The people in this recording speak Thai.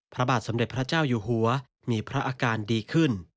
พระบาทสมเด็จพระเจ้าอยู่หัวมีพระอาการดีขึ้น